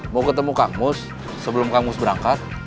mau ketemu kang mus sebelum kang mus berangkat